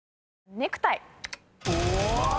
ネクタイ。